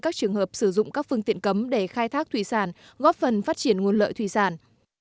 các trường hợp sử dụng các phương tiện cấm để khai thác thủy sản góp phần phát triển nguồn lợi thủy sản